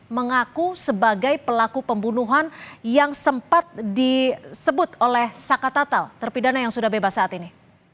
mengaku sebagai pelaku pembunuhan yang sempat disebut oleh saka tatal terpidana yang sudah bebas saat ini